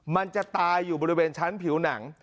มันจะตายอยู่บริเวณชั้นผิวหนัง